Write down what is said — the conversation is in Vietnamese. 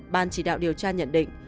ban chỉ đạo điều tra nhận định